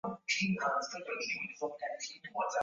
Ukitaka sukari njoo nikupee